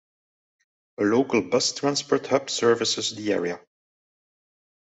A local bus transport hub services the area.